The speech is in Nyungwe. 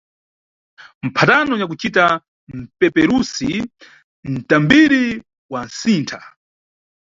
Mphatano nyakucita- mpeperusi –mtambiri wasintha.